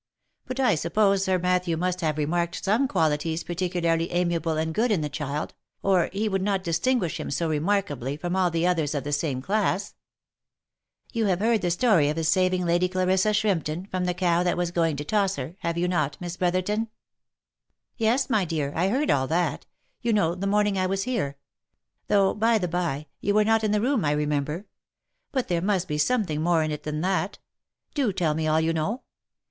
But I suppose Sir Matthew must have remarked some qualities particularly amiable and good in the child, or he would not distinguish him so remarkably from all others of the same class/' " You have heard the story of his saving Lady Clarissa Shrimpton from the cow that was going to toss her, have you not, Miss Bro therton V " Yes, my dear, I heard all that, you know, the morning I was here ; —though, by the by, you were not in the room, I remember. But there must be something more in it than that. Do tell me all you know."